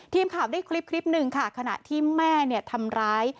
ทีมข่าวได้คลิปหนึ่งค่ะขณะที่แม่ทำร้าย